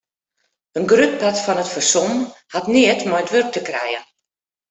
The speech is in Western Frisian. In grut part fan it fersom hat neat mei it wurk te krijen.